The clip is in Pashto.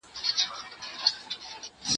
گرول يې خپل غوږونه په لاسونو